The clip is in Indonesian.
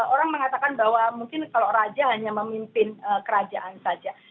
orang mengatakan bahwa mungkin kalau raja hanya memimpin kerajaan saja